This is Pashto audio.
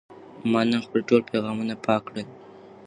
ما نن خپل ټول پیغامونه پاک کړل.